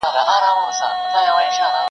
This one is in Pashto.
• شمع یم یوه شپه په تیاره کي ځلېدلی یم -